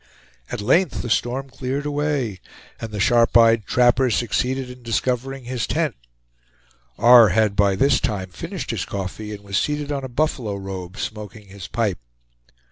At length the storm cleared away, and the sharp eyed trapper succeeded in discovering his tent: R. had by this time finished his coffee, and was seated on a buffalo robe smoking his pipe.